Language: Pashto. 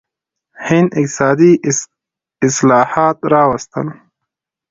هند اقتصادي اصلاحات راوستل.